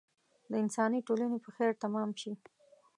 د انساني ټولنې په خیر تمام شي.